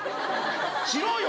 しろよ